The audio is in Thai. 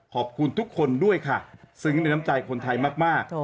ขอบคุณทุกคนด้วยค่ะซึ้งในน้ำใจคนไทยมาก